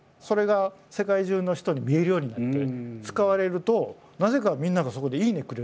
それが世界中の人に見えるようになって使われるとなぜかみんながそこで「いいね」